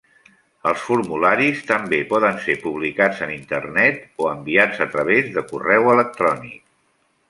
Els formularis també poden ser publicats en Internet o enviats a través de correu electrònic.